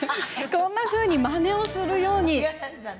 こんなふうに、まねをするように。